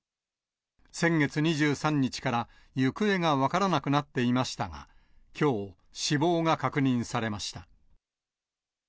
先月２３日から行方が分からなくなっていましたが、きょう、死亡が確認されました。